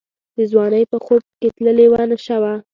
د ځوانۍ په خوب کي تللې وه نشه وه